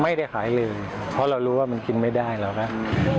ไม่ได้ขายเลยเพราะเรารู้ว่ามันกินไม่ได้แล้วนะ